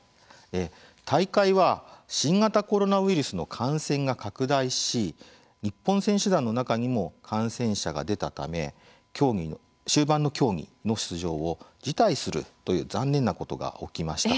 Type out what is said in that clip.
大会は新型コロナウイルスの感染が拡大し、日本選手団の中にも感染者が出たため終盤の競技の出場を辞退するという残念なことが起きました。